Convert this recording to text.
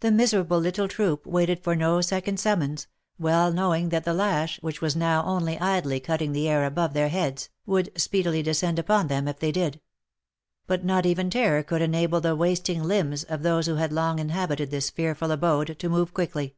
The miserable little troop waited for no second summons, well knowing that the lash, which was now only idly cutting the air above their heads, would speedily descend upon them if they did ; but not even terror could enable the wasting limbs of those who had long in habited this fearful abode, to move quickly.